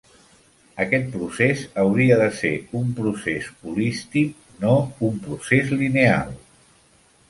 Aquest procés hauria de ser un procés holístic, no un procés lineal.